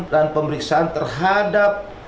dan pemeriksaan terhadap